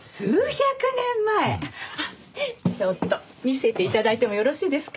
ちょっと見せて頂いてもよろしいですか？